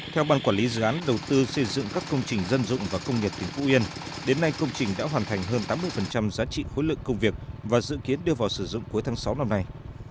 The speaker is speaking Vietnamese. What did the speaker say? theo ban quản lý dự án đầu tư xây dựng các công trình dân dụng và công nghiệp tỉnh phú yên đến nay công trình đã hoàn thành hơn tám mươi giá trị khối lượng công việc và dự kiến đưa vào sử dụng cuối tháng sáu năm nay